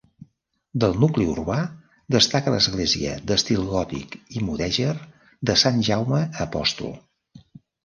Del nucli urbà destaca l'església d'estil gòtic i mudèjar de Sant Jaume Apòstol.